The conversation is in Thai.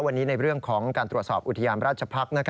วันนี้ในเรื่องของการตรวจสอบอุทยานราชพักษ์